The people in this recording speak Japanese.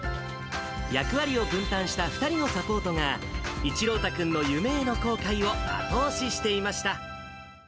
役割を分担した２人のサポートが、一朗太君の夢への航海を後押ししていました。